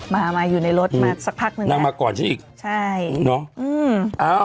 มามาอยู่ในรถมาสักพักหนึ่งนางมาก่อนฉันอีกใช่เนอะอืมอ้าว